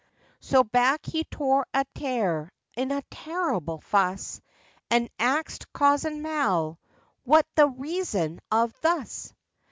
So back he tore a'ter, in a terrible fuss, And axed cozen Mal, 'What's the reason of thus?